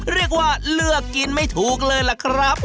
เรียกว่าเลือกกินไม่ถูกเลยล่ะครับ